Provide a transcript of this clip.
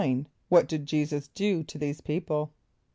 = What did J[=e]´[s+]us do to these people?